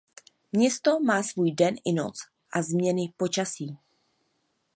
Město má svůj den i noc a změny počasí.